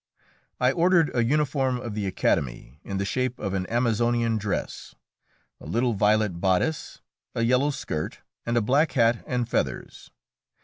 I ordered a uniform of the Academy, in the shape of an Amazonian dress: a little violet bodice, a yellow skirt, and a black hat and feathers.